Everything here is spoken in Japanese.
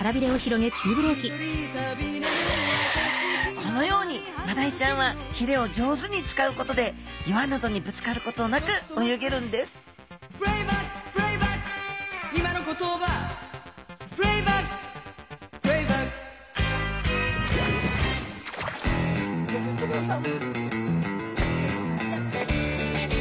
このようにマダイちゃんはひれを上手に使うことで岩などにぶつかることなく泳げるんですギョギョッと号さん！